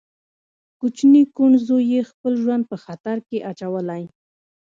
کوچني کوڼ زوی يې خپل ژوند په خطر کې اچولی.